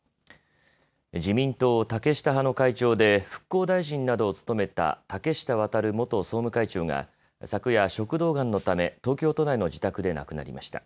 自民党竹下派の会長で復興大臣などを務めた竹下亘元総務会長が昨夜、食道がんのため東京都内の自宅で亡くなりました。